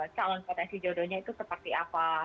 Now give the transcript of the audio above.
calon potensi jodohnya itu seperti apa